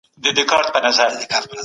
پخوانیو انسانانو د طبیعت په اړه فکر کاوه.